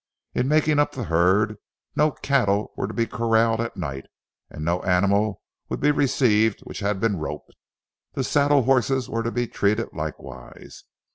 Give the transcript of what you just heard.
In making up the herd no cattle were to be corralled at night, and no animal would be received which had been roped. The saddle horses were to be treated likewise.